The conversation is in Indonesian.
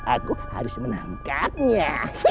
aku harus menangkapnya